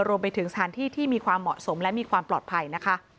รวมไปถึงสถานที่ที่มีความเหมาะสมและมีความปลอดภัยนะคะ